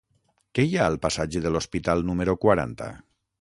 Què hi ha al passatge de l'Hospital número quaranta?